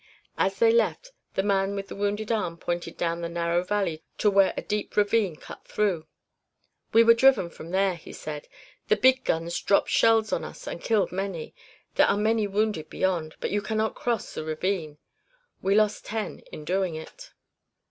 As they left, the man with the wounded arm pointed down the narrow valley to where a deep ravine cut through. "We were driven from there," he said. "The big guns dropped shells on us and killed many; there are many wounded beyond but you cannot cross the ravine. We lost ten in doing it."